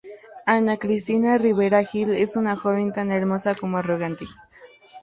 Ana Cristina Rivera Gil es una joven tan hermosa como arrogante.